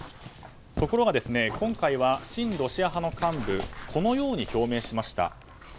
ところが今回は親ロシア派の幹部このように表明しました。